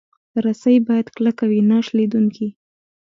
رسۍ باید کلکه وي، نه شلېدونکې.